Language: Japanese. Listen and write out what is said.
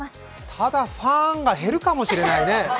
ただファンが減るかもしれないね。